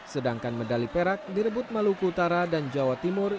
sedangkan medali perak direbut maluku utara dan jawa timur